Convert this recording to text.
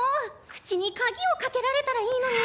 口にカギをかけられたらいいのに。